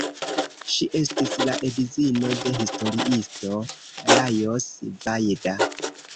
Ŝi estis la edzino de historiisto Lajos Vajda.